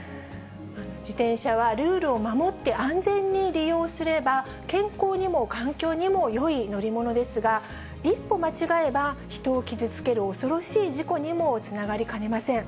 自転車はルールを守って安全に利用すれば、健康にも環境にもよい乗り物ですが、一歩間違えば、人を傷つける恐ろしい事故にもつながりかねません。